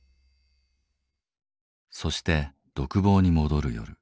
そして独房に戻る夜。